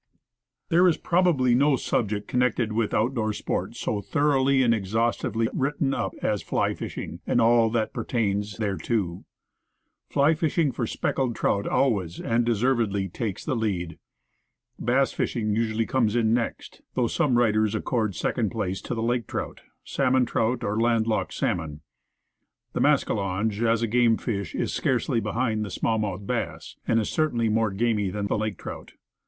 THERE is probably no subject connected with out door sport so thoroughly and exhaustively written up as fly fishing, and all that pertains thereto. Fly fishing for speckled trout always, and deservedly, takes the lead. Bass fishing usually comes next, though some writers accord second place to the lake trout, salmon trout or land locked salmon. The mascalonge, as a game fish, is scarcely behind the small mouthed bass, and is certainly more gamy than the lake trout.